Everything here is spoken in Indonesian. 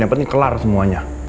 yang penting kelar semuanya